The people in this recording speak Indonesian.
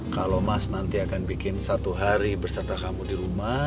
kalau mas nanti akan bikin satu hari berserta kamu di rumah